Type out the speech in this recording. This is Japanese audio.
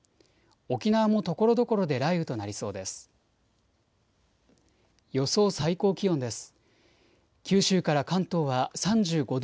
沖縄もところどころで雷雨となりそうです。